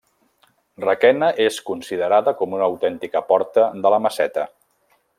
Requena és considerada com una autèntica porta de la Meseta.